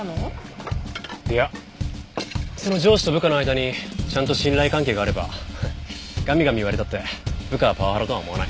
いやその上司と部下の間にちゃんと信頼関係があればガミガミ言われたって部下はパワハラとは思わない。